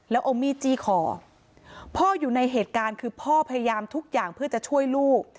แล้วเอามีดจี้คอพ่ออยู่ในเหตุการณ์คือพ่อพยายามทุกอย่างเพื่อจะช่วยลูก